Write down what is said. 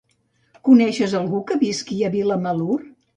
Coneixes algú que visqui a Vilamalur?